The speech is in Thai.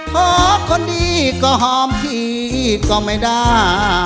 เพราะคนดีก็หอมที่ก็ไม่ด้า